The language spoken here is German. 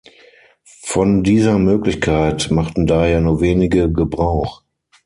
Von dieser Möglichkeit machten daher nur wenige Gebrauch.